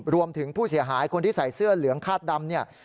รวมถึงผู้เสียหายคนที่ใส่เสื้อเหลืองคาดดำเนี่ย